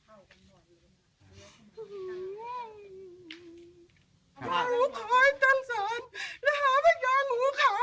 อย่างหูขาว